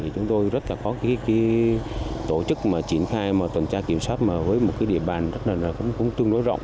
chúng tôi rất là có tổ chức mà triển khai tần tra kiểm soát với một địa bàn rất là tương đối rộng